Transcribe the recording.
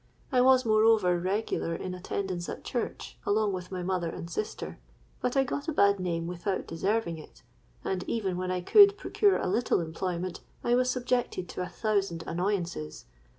I was moreover regular in attendance at church, along with my mother and sister. But I got a bad name without deserving it; and even when I could procure a little employment, I was subjected to a thousand annoyances.